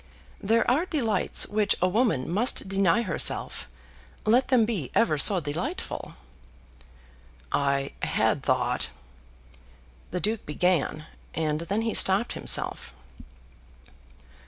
There are delights which a woman must deny herself, let them be ever so delightful." "I had thought, " the Duke began, and then he stopped himself.